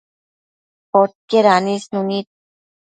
Podquied anisnu nid